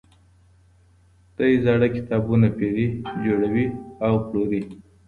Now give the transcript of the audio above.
دی زاړه کتابونه پيري، جوړوي او پلوري.